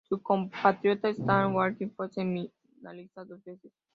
Su compatriota Stan Wawrinka fue semifinalista dos veces.